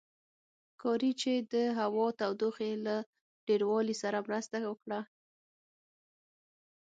ښکاري چې د هوا تودوخې له ډېروالي سره مرسته وکړه.